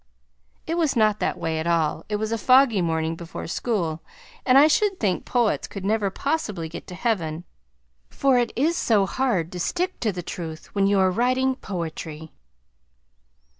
It was not that way at all; it was a foggy morning before school, and I should think poets could never possibly get to heaven, for it is so hard to stick to the truth when you are writing poetry.